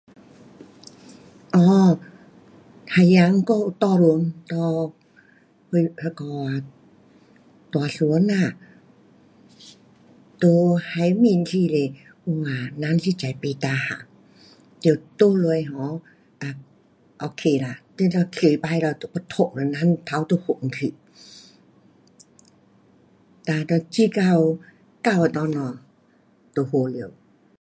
哦，海洋，我有搭船，搭什那个啊，大船呐，在海面时候，哇，人实在不 tahan, 得躺下去咯 ok 啦，你若坐起咯，就要吐咯，人头都晕去，哒就直到，沟的内了，就好了。